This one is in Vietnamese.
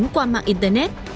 qua mạng internet